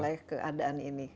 oleh keadaan ini